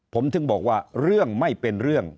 ผมถึงบอกว่าเรื่องไม่เป็นเรื่อง